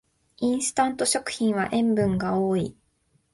インスタント食品は塩分が多い